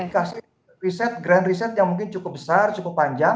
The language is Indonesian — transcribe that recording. kasih riset grand riset yang mungkin cukup besar cukup panjang